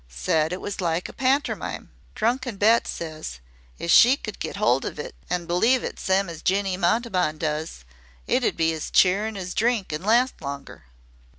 Said it was like a pantermine. Drunken Bet says if she could get 'old 'f it an' believe it sime as Jinny Montaubyn does it'd be as cheerin' as drink an' last longer."